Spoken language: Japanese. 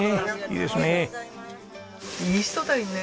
いい人だいね。